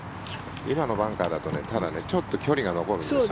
今のバンカーだとただちょっと距離が残るんです。